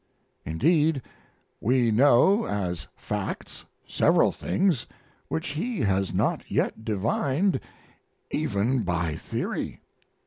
Indeed, we know as facts several things which he has not yet divined even by theory.